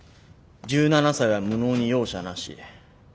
１７才は無能に容赦なし」。